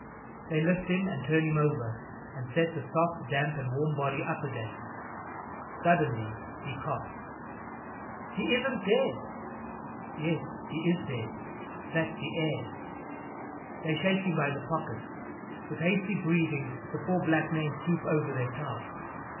They lift him and turn him over, and set the soft, damp and warm body up again. Suddenly he coughs. "He isn't dead!" "Yes, he is dead; that's the air." They shake him by the pockets; with hasty breathing the four black men stoop over their task.